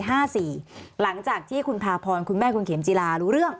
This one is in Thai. หลังจากที่คุณพาพรคุณแม่คุณเข็มจีรารู้เรื่อง